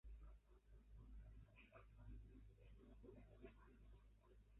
এটি অধিকাংশ প্রোগ্রামের ক্ষেত্রেই প্রযোজ্য।